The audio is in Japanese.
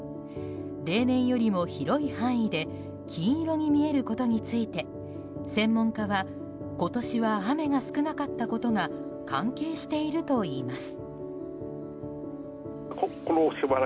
例年よりも広い範囲で金色に見えることについて専門家は今年は雨が少なかったことが関係しているといいます。